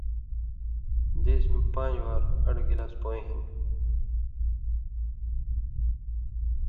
دیس میں پاݩژ وار اڑوۡ گلاس پویں ہِن